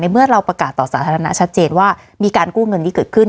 เมื่อเราประกาศต่อสาธารณะชัดเจนว่ามีการกู้เงินที่เกิดขึ้น